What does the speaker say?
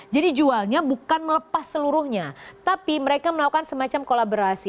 jadi jualnya bukan melepas seluruhnya tapi mereka melakukan semacam kolaborasi